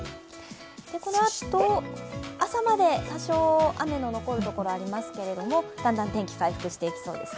このあと朝まで多少雨の残る所がありますけれども、だんだん天気は回復していきそうですね。